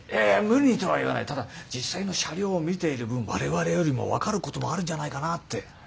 ただ実際の車両を見ている分我々よりも分かることもあるんじゃないかなって。